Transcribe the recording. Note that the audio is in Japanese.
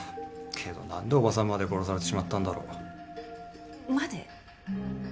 けどなんで伯母さんまで殺されてしまったんだろう。まで？